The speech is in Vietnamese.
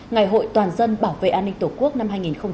ngày hội toàn dân bảo vệ an ninh tổ quốc năm hai nghìn hai mươi bốn